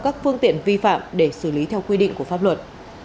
các phương tiện vi phạm để xử lý theo quy định của pháp luật